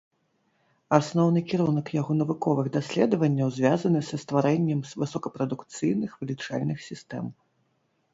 Асноўны кірунак яго навуковых даследаванняў звязаны са стварэннем высокапрадукцыйных вылічальных сістэм.